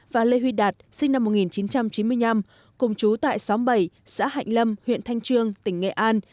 và lê huy đạt sinh năm một nghìn chín trăm chín mươi năm cùng chú tại xóm bảy xã hạnh lâm huyện thanh trương tỉnh nghệ an